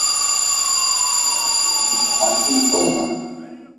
Nós viemos da Argentona.